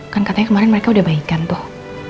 kan katanya mereka kemarin udah baikan tuh